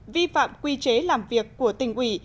vi phạm quy chế làm việc của tỉnh ủy